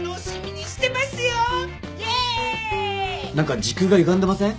何か時空がゆがんでません？